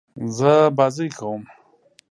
زه بازۍ کوم.